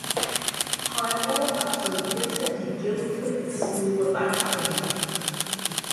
Highmore absolvierte die "Guildford School of Acting".